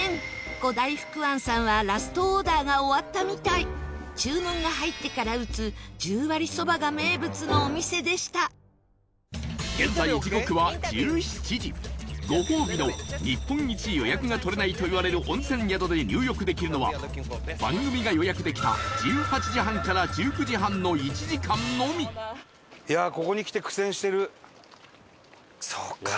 五代福庵さんはラストオーダーが終わったみたい注文が入ってから打つ十割蕎麦が名物のお店でした現在、時刻は１７時ご褒美の、日本一予約が取れないといわれる温泉宿で入浴できるのは番組が予約できた１８時半から１９時半の１時間のみウエンツ：ベルギーの。